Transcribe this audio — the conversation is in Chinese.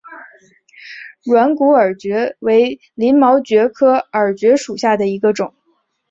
软骨耳蕨为鳞毛蕨科耳蕨属下的一个种。